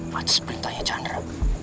masih sepertinya chandra